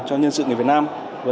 cho nhân sự người việt nam